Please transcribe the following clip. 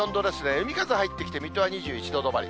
海風入ってきて、水戸は２１度止まり。